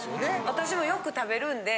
私もよく食べるんで。